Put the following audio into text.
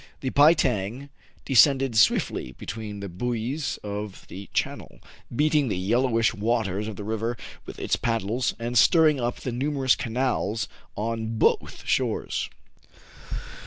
The " Pei tang " descended swiftly between the buoys of the channel, beating the yellowish waters of the river with its paddles, and stirring up the numerous canals on both shores.